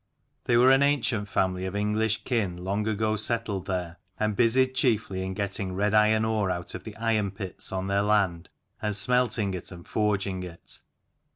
They were an ancient family of English kin long ago settled there, and busied chiefly in getting red iron ore out of the iron pits on their land, and smelting it and forging it.